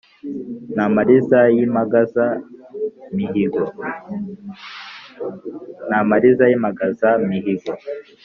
n’amariza y’impangazamihigo